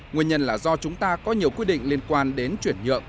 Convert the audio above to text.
nguyên nhân là do chúng ta có nhiều quy định liên quan đến chuyển nhượng